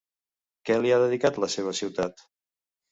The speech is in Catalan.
Què li ha dedicat la seva ciutat?